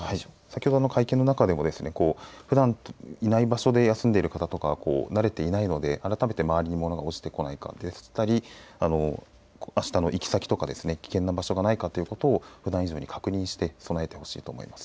先ほどの会見の中でもですねふだん来ない場所で休んでいる方、慣れていないので改めて周りに物が落ちてこないか、でしたりあしたの行き先など危険な場所がないかということをふだん以上に確認して備えてほしいと思います。